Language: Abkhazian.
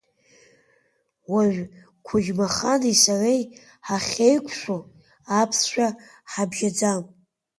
Уажә Қәыџьмахани сареи ҳахьеиқәшәо аԥсшәа ҳабжьаӡам.